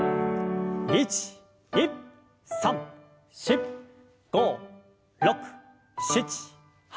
１２３４５６７８。